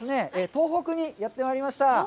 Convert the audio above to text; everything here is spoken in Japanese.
東北にやってまいりました。